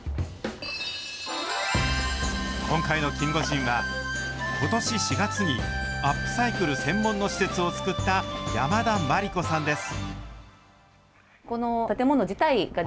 今回のキンゴジンは、ことし４月に、アップサイクル専門の施設を作った山田摩利子さんです。